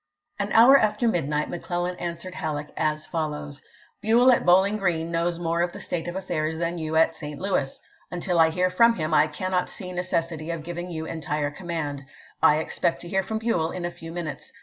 An hour after midnight McClellan answered HaUeck as foUows: "Buell at Bowling Green knows more of the state of affairs than you at St. Louis. Until I hear from him I cannot see neces sity of giving you entire command. I expect to hear from Buell in a few minutes.